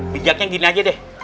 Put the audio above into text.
bijaknya gini aja deh